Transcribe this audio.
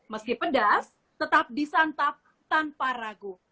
meski pedas tetap disantap tanpa ragu